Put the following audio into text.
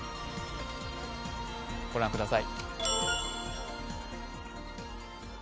ご覧ください。